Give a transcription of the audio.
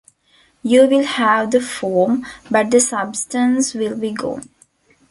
You will have the form, but the substance will be gone.